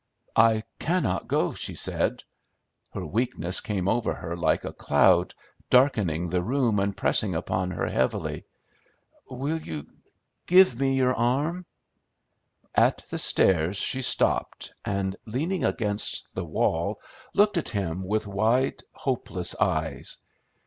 "I cannot go," she said. Her weakness came over her like a cloud, darkening the room and pressing upon her heavily. "Will you give me your arm?" At the stairs she stopped, and leaning against the wall looked at him with wide, hopeless eyes.